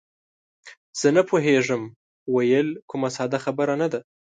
زه نه پوهېږم ویل، کومه ساده خبره نه ده.